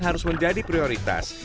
harus menjadi prioritas